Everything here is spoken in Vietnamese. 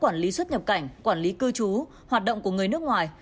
quản lý xuất nhập cảnh quản lý cư trú hoạt động của người nước ngoài